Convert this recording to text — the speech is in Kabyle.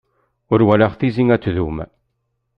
Ur walaɣ tizi ad tdum.